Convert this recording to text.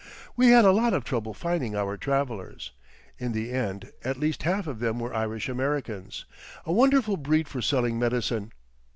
We had a lot of trouble finding our travelers; in the end at least half of them were Irish Americans, a wonderful breed for selling medicine.